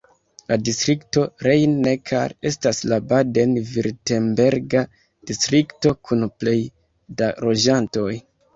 La distrikto Rhein-Neckar estas la baden-virtemberga distrikto kun plej da loĝantoj.